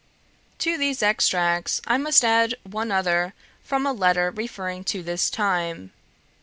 To these extracts I must add one other from a letter referring to this time.